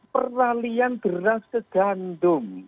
peralian beras ke gandum